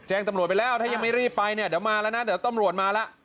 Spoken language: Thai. แจ้งตำรวจไปแล้วถ้ายังไม่รีบไปเนี่ยเดี๋ยวมาแล้วนะเดี๋ยวตำรวจมาแล้ว